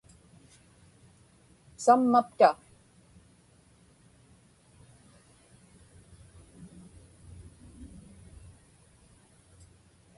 sammapta